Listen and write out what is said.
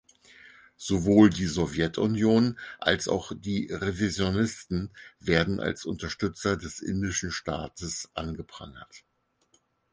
Sowohl die Sowjetunion als auch die Revisionisten werden als Unterstützer des indischen Staates angeprangert.